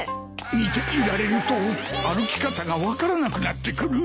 見ていられると歩き方が分からなくなってくる。